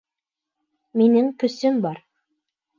Минең көсөм бар.